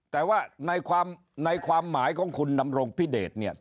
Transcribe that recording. แต่ว่าในความหมายของคุณดำรงพิเดชเนี่ย